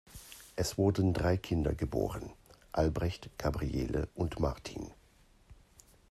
Es wurden drei Kinder geboren: Albrecht, Gabriele und Martin.